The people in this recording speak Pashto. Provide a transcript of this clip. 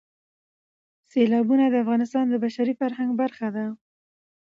سیلابونه د افغانستان د بشري فرهنګ برخه ده.